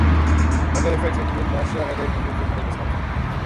Other effects include "nausea, headache and general physical discomfort".